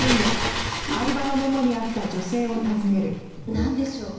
なんでしょうか？